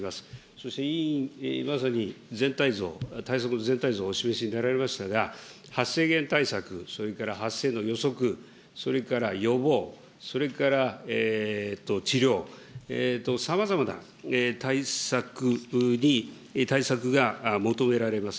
そして、委員まさに全体像、対策の全体像をお示しになられましたが、発生源対策、それから発生の予測、それから予防、それから治療とさまざまな対策に、対策が求められます。